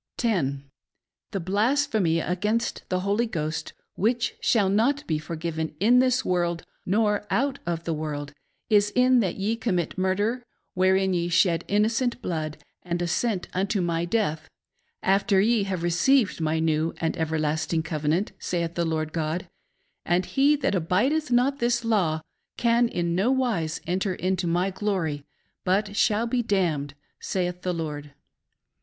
10. The blasphemy against the Holy Ghost, which shall not be forgiven in this virorld, nor out of the vf orld, is in that ye commit murder, wherein ye shed inno cent blood, and assent unto my death, after ye have received my new and ever lasting covenant, saith the Lord God ; and he that abidcth not this law can in no wise enter into my glory, but shall be damned, saith the Lord.